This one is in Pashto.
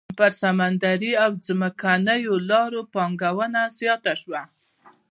پر سمندري او ځمکنيو لارو پانګونه زیاته شوه.